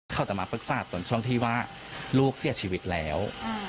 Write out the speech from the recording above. เขาจะมาปรึกษาตนช่วงที่ว่าลูกเสียชีวิตแล้ว